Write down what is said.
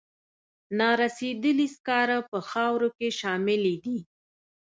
نارسیدلي سکاره په خاورو کې شاملې دي.